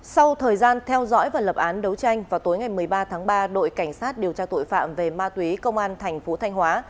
sau thời gian theo dõi và lập án đấu tranh vào tối ngày một mươi ba tháng ba đội cảnh sát điều tra tội phạm về ma túy công an thành phố thanh hóa